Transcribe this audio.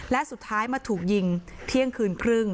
และสุดท้ายมาถูกยิงเที่ยงคืนครึ่ง